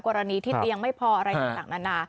กรณีที่เตียงไม่พออะไรอยู่หลังนั้น